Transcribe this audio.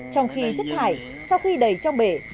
trong khi chất thải sau khi đầy trong bể